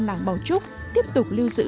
làng bảo trúc tiếp tục lưu giữ